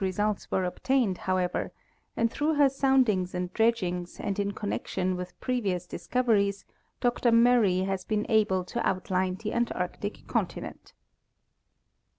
Very valuable scien tific results were obtained, however, and through her soundings and dredgings and in connection with previous discoveries, Dr Murray has been able to outline the Antarctic continent.